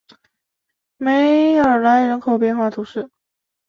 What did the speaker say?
梅尔莱人口变化图示